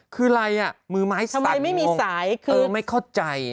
คืออะไรมือไม้สัดงงไม่เข้าใจ